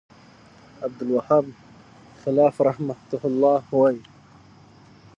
ب : عبدالوهاب خلاف رحمه الله وایی